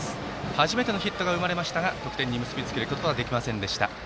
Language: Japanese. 初めてのヒットが生まれましたが得点には結び付けられませんでした。